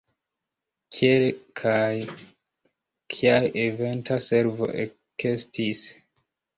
Kiel kaj kial Eventa Servo ekestis?